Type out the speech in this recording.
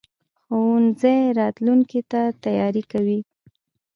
ښوونځی راتلونکي ته تیاری ورکوي.